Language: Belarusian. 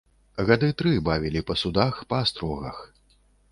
Гады тры бавілі па судах, па астрогах.